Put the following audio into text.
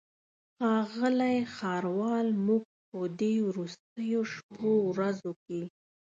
ښاغلی ښاروال موږ په دې وروستیو شپو ورځو کې.